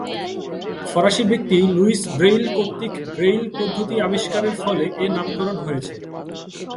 ফরাসী ব্যক্তিত্ব Louis Braille কর্তৃক ব্রেইল পদ্ধতি আবিস্কারের ফলে এ নামকরণ হয়েছে।